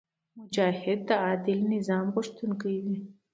مجاهد د عادل نظام غوښتونکی وي.